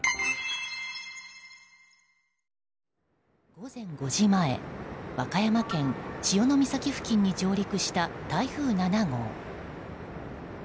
午前５時前和歌山県潮岬付近に上陸した台風７号。